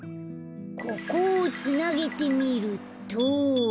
ここをつなげてみると。